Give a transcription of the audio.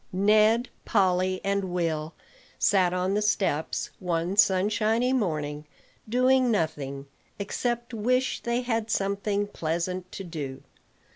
Ned, Polly, and Will sat on the steps one sun shiny morning, doing nothing, except wish they had something pleasant to do.